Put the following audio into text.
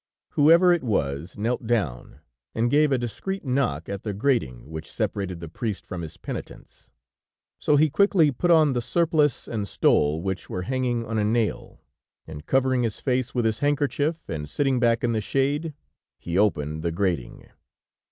Whoever it was, knelt down, and gave a discreet knock at the grating which separated the priest from his penitents, so he quickly put on the surplice and stole which were hanging on a nail, and covering his face with his handkerchief, and sitting back in the shade, he opened the grating.